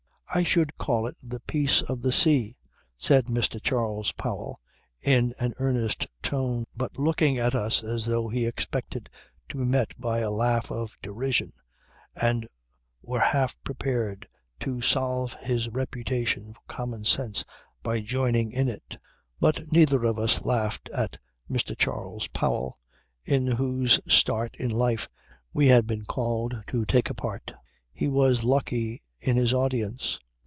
"I should call it the peace of the sea," said Mr. Charles Powell in an earnest tone but looking at us as though he expected to be met by a laugh of derision and were half prepared to salve his reputation for common sense by joining in it. But neither of us laughed at Mr. Charles Powell in whose start in life we had been called to take a part. He was lucky in his audience.